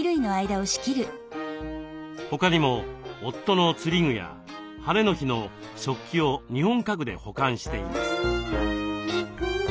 他にも夫の釣り具や晴れの日の食器を日本家具で保管しています。